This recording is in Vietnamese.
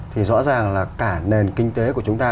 thì rõ ràng là cả nền kinh tế của chúng ta